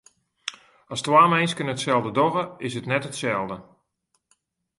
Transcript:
As twa minsken itselde dogge, is it net itselde.